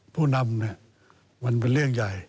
ผู้นำเป็นเรื่องใหญ่